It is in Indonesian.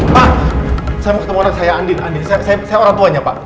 pak saya mau ketemu anak saya andi saya orang tuanya pak